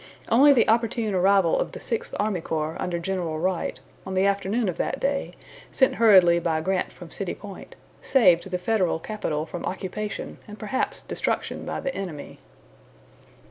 Only the opportune arrival of the Sixth Army Corps under General Wright, on the afternoon of that day, sent hurriedly by Grant from City Point, saved the Federal capital from occupation and perhaps destruction by the enemy.